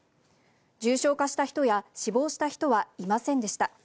重症化した人や死亡した人はいませんでした。